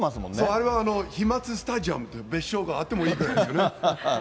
あれは飛まつスタジアムって別称があってもいいぐらいですよ